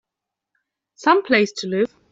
Some place to live!